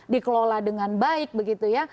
dikelola dengan baik begitu ya